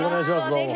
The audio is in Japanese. どうも。